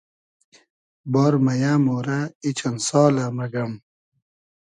بار مئیۂ مۉرۂ , ای چئن سالۂ مئگئم